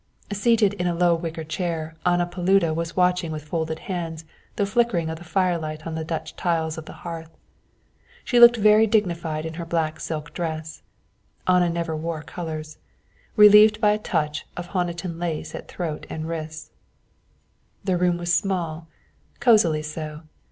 Seated in a low wicker chair Anna Paluda was watching with folded hands the flickering of the firelight on the Dutch tiles of the hearth. She looked very dignified in her black silk dress Anna never wore colours relieved by a touch of Honiton lace at throat and wrists. The room was small, cosily so.